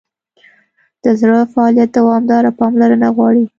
د زړه فعالیت دوامداره پاملرنه غواړي.